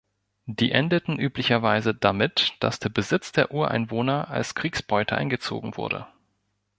Die endeten üblicherweise damit, dass der Besitz der Ureinwohner als Kriegsbeute eingezogen wurde.